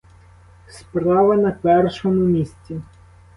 Справа на першому місці.